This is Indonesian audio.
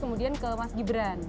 kemudian ke mas gibran